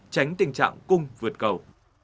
tránh tình trạng cung vượt cầu